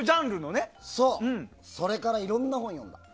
それからいろんな本読んだ。